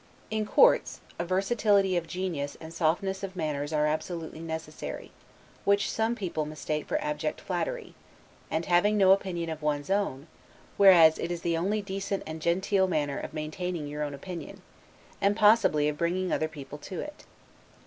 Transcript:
In courts, a versatility of genius and softness of manners are absolutely necessary; which some people mistake for abject flattery, and having no opinion of one's own; whereas it is only the decent and genteel manner of maintaining your own opinion, and possibly of bringing other people to it.